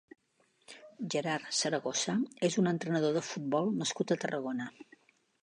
Gerard Zaragoza és un entrenador de futbol nascut a Tarragona.